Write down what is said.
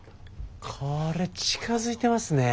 これ近づいてますね。